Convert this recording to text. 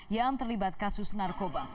yang terlibat kasus narkoba